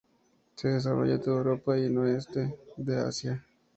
Se desarrolla en toda Europa y en el oeste de Asia.